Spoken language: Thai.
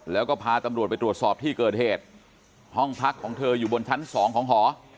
แล้วก็พาตำรวจไปตรวจสอบที่เกิดเหตุห้องพักของเธออยู่บนชั้นสองของหอ